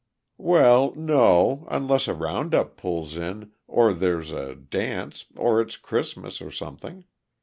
"Well, no unless a round up pulls in, or there's a dance, or it's Christmas, or something.